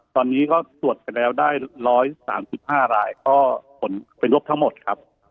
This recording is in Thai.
ตอนนี้ก็ตรวจไปแล้วได้๑๓๕รายก็ผลเป็นลบทั้งหมดครับ